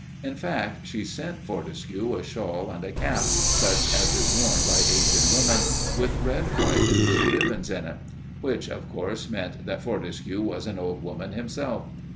In fact, she sent Fortescue a shawl and a cap, such as is worn by aged women, with red, white, and blue ribbons in it. Which, of course, meant that Fortescue was an old woman himself.